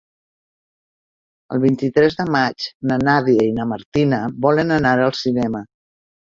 El vint-i-tres de maig na Nàdia i na Martina volen anar al cinema.